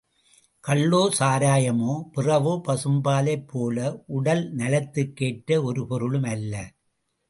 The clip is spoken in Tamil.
கள்ளோ, சாராயமோ, பிறவோ, பசும்பாலைப் போல உடல் நலத்திற்கேற்ற ஒரு பொருளும் அல்ல.